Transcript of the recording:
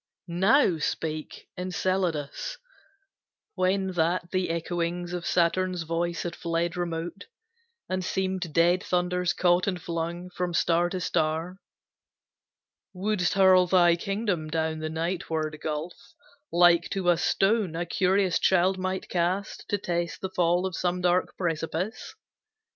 Now spake Enceladus, when that the echoings Of Saturn's voice had fled remote, and seemed Dead thunders caught and flung from star to star; "Wouldst hurl thy kingdom down the nightward gulf, Like to a stone a curious child might cast To test the fall of some dark precipice?